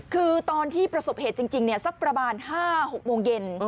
คือตอนที่ประสบเหตุจริงสักประมาณ๕๖โมงเย็น